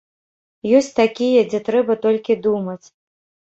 Ёсць такія, дзе трэба толькі думаць.